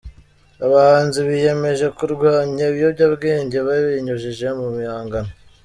abahanzi biyemeje kurwanya ibiyobyabwenge babinyujije mu bihangano